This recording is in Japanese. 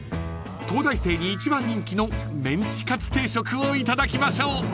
［東大生に一番人気のメンチカツ定食をいただきましょう］